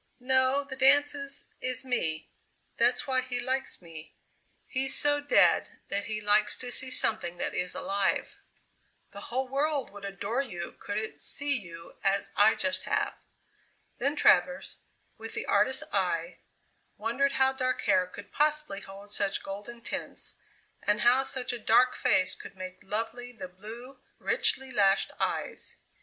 "No. The dance is is me! That's why he likes me. He's so dead that he likes to see something that is alive." "The whole world would adore you could it see you as I just have!" Then Travers, with the artist's eye, wondered how dark hair could possibly hold such golden tints, and how such a dark face could make lovely the blue, richly lashed eyes.